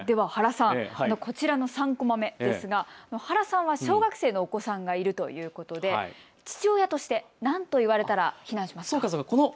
原さん、こちらの３コマ目ですが原さんは小学生のお子さんがいるということで父親として何と言われたら避難しますか。